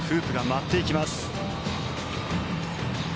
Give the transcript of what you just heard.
次々とフープが舞っていきます。